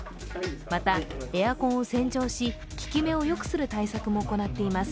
また、エアコンを洗浄し効き目をよくする対策も行っています。